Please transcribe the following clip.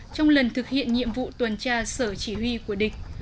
trong lần thực hiện nhiệm vụ tuần tra sở chỉ huy của địch